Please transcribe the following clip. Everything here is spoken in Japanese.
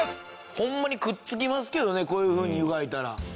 ホンマにくっつきますけどねこういうふうに湯がいたら。